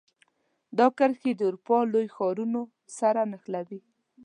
دا کرښې د اروپا لوی ښارونو سره نښلوي.